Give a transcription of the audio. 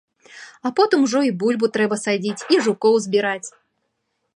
А потым ужо і бульбу трэба садзіць, і жукоў збіраць.